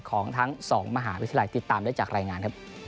ของทั้งสองมหาวิทยาลัยติดตามได้จากรายงานครับ